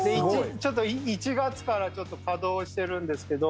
ちょっと１月から稼働してるんですけど。